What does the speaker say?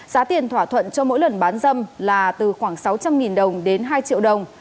giá tiền thỏa thuận cho mỗi lần bán dâm là từ khoảng sáu trăm linh đồng đến hai triệu đồng